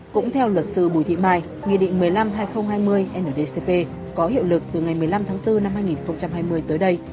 cũng theo luật sư bùi thị mai nghị định một mươi năm hai nghìn hai mươi ndcp có hiệu lực từ ngày một mươi năm tháng bốn năm hai nghìn hai mươi tới đây